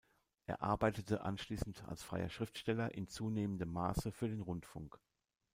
Er arbeitete anschließend als freier Schriftsteller, in zunehmendem Maße für den Rundfunk.